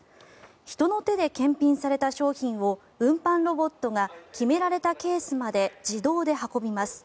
人の手で検品された商品を運搬ロボットが決められたケースまで自動で運びます。